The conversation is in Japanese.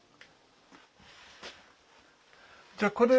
じゃあこれ袋。